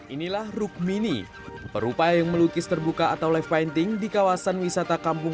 inilah rukmini perupaya yang melukis terbuka atau live finding di kawasan wisata kampung